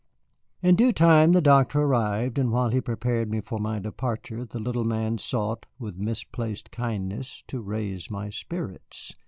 In due time the doctor arrived, and while he prepared me for my departure, the little man sought, with misplaced kindness, to raise my spirits.